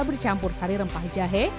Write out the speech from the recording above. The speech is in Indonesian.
bercampur sari rempah jahe